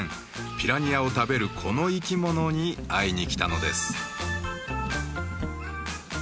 ピラニアを食べる、この生き物に会いに来たのです。